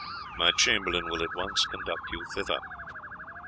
My chamberlain will at once conduct you thither."